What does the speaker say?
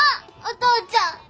お父ちゃん。